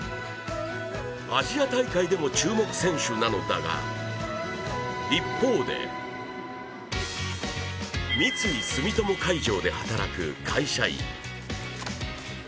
アジア大会でも注目選手なのだが、一方で、三井住友海上で働く会社員。